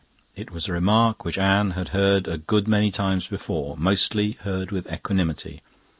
It was a remark which Anne had heard a good many times before and mostly heard with equanimity.